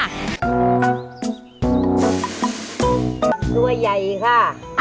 ด้วยใยค่ะ